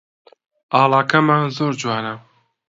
ئاڵاکەمان زۆر جوانە